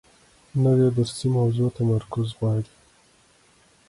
نوې درسي موضوع تمرکز غواړي